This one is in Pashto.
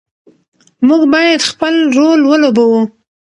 موږ باید خپل رول ولوبوو.